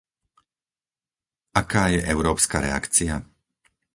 Aká je európska reakcia?